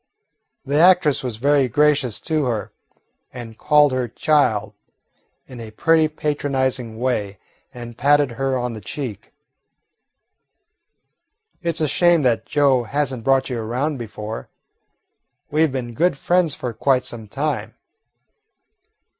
The actress was very gracious to her, and called her "child" in a pretty, patronising way, and patted her on the cheek. "It 's a shame that Joe has n't brought you around before. We 've been good friends for quite some time."